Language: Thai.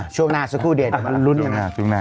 ช่วงหน้าสักครู่เดี๋ยวจะปลั๊บลุ้นช่วงหน้า